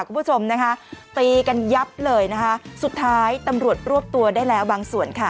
คุณผู้ชมนะคะตีกันยับเลยนะคะสุดท้ายตำรวจรวบตัวได้แล้วบางส่วนค่ะ